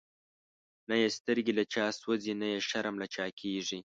نه یی سترګی له چا سوځی، نه یی شرم له چا کیږی